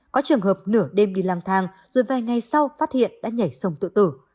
có trường hợp nửa đêm đi lang thang rồi vài ngày sau phát hiện đã nhảy sông tự tử